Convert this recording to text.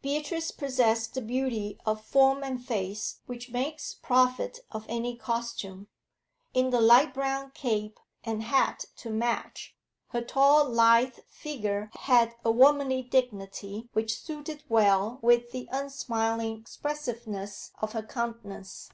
Beatrice possessed the beauty of form and face which makes profit of any costume; in the light brown cape, and hat to match, her tall, lithe figure had a womanly dignity which suited well with the unsmiling expressiveness of her countenance.